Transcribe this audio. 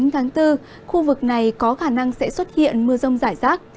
chín tháng bốn khu vực này có khả năng sẽ xuất hiện mưa rông rải rác